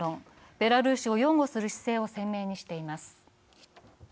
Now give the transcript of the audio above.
ベラルーシを擁護する姿勢を鮮明にしています。